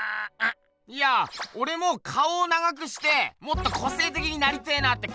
いやおれも顔を長くしてもっと個性的になりてえなって。